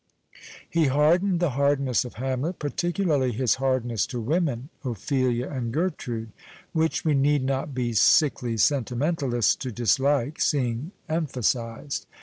He hardened the hardness of Hamlet — particularly his hardness to women, Ophelia and Gertrude, which we need not be sickly sentimentalists to dislike seeing emphasized.